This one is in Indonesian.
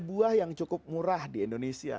buah yang cukup murah di indonesia